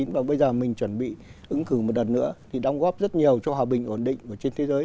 và bây giờ mình chuẩn bị ứng cử một đợt nữa thì đóng góp rất nhiều cho hòa bình ổn định và trên thế giới